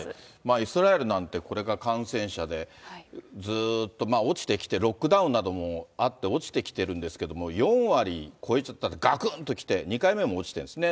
イスラエルなんて、これが感染者で、ずーっと落ちてきて、ロックダウンなどもあって、落ちてきているんですけれども、４割超えちゃったらがくんときて、２回目も落ちているんですね。